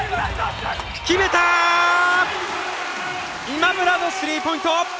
今村のスリーポイント！